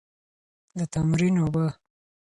د تمرین اوبه.